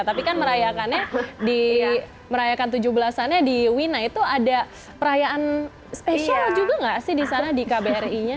tapi kan merayakannya di merayakan tujuh belas an nya di wina itu ada perayaan spesial juga nggak sih di sana di kbri nya